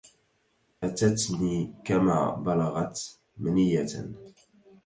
أتتني كما بلغت منية